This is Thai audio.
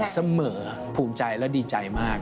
เสมอภูมิใจและดีใจมาก